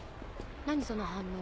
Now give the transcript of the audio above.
何その反応。